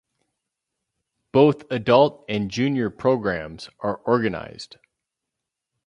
Both adult and junior programmes are organized.